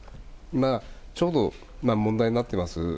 今ちょうど問題になっています